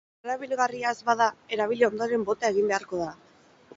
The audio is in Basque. Berrerabilgarria ez bada, erabili ondoren bota egin beharko da.